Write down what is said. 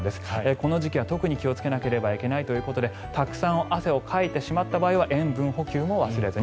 この時期は特に気をつけなければいけないということでたくさん汗をかいてしまった場合は塩分補給を忘れずに。